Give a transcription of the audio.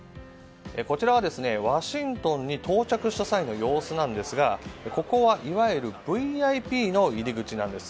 こちらは、ワシントンに到着した際の様子なんですがここは、いわゆるＶＩＰの入り口なんです。